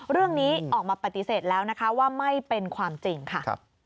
เรื่องนี้ออกมาปฏิเสธแล้วนะคะว่าไม่เป็นความจริงค่ะ